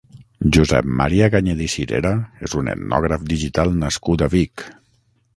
Josep Maria Ganyet i Cirera és un etnògraf digital nascut a Vic.